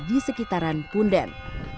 di sekitaran punden